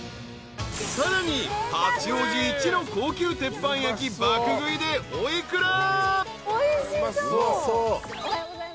［さらに八王子一の高級鉄板焼き爆食いでお幾ら？］